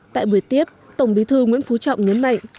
tại buổi tiếp tổng bí thư nguyễn phú trọng nhấn mạnh